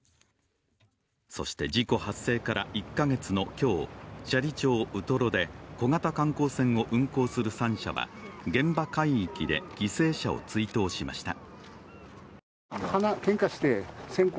そして事故発生から１カ月の今日、斜里町ウトロで小型観光船を運航する３社は現場海域で犠牲者を追悼しました。